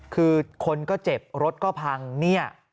คือคนก็เจ็บรถก็พังเนี่ย